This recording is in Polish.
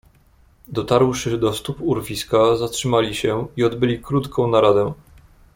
"Dotarłszy do stóp urwiska zatrzymali się i odbyli krótką naradę."